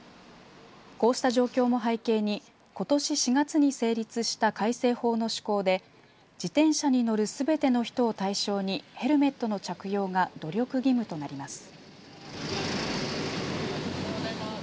こうした状況の背景にことし４月に成立した改正法の施行で自転車に乗るすべての人を対象にヘルメットの着用が努力義務となります。